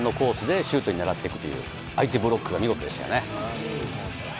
前に入れさせないで、自分のコースでシュートを狙っていくという、相手ブロックが見事でしたね。